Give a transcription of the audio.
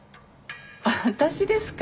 私ですか？